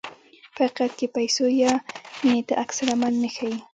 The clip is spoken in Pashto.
په حقیقت کې پیسو یا مینې ته عکس العمل نه ښيي.